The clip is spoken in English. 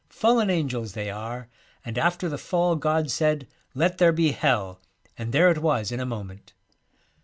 Fallen angels they are, and after the fall God said, " Let there be Hell," and there it was in a moment.'